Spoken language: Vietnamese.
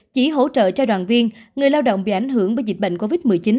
chỉ hỗ trợ cho đoàn viên người lao động bị ảnh hưởng bởi dịch bệnh covid một mươi chín